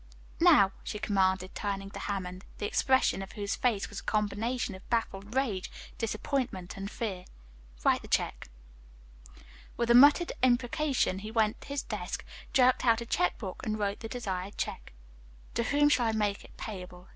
"Now," she commanded, turning to Hammond, the expression of whose face was a combination of baffled rage, disappointment and fear, "write the check." With a muttered imprecation he went to his desk, jerked out a checkbook and wrote the desired check. "To whom shall I make it payable?"